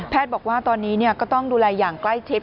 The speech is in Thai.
แพทย์บอกว่าตอนนี้เนี่ยก็ต้องดูลัยอย่างใกล้เช็ด